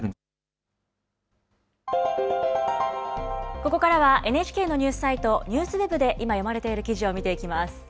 ここからはＮＨＫのニュースサイトＮＥＷＳＷＥＢで今読まれている記事を見ていきます。